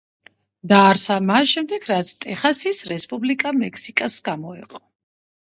დაარსდა მას შემდეგ, რაც ტეხასის რესპუბლიკა მექსიკას გამოეყო.